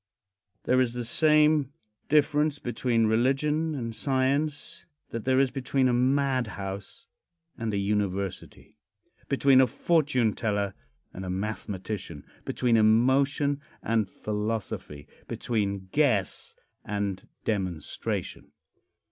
There is the same difference between religion and science that there is between a madhouse and a university between a fortune teller and a mathematician between emotion and philosophy between guess and demonstration.